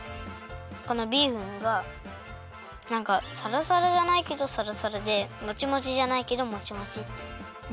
このビーフンがなんかサラサラじゃないけどサラサラでモチモチじゃないけどモチモチっていう。